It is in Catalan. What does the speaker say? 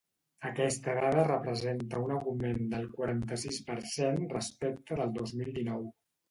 Aquesta dada representa un augment del quaranta-sis per cent respecte del dos mil dinou.